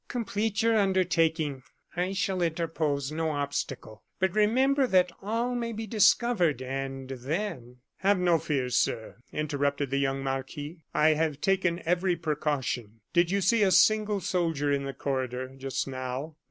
Complete your undertaking; I shall interpose no obstacle; but remember that all may be discovered and then " "Have no fears, sir," interrupted the young marquis; "I have taken every precaution. Did you see a single soldier in the corridor, just now?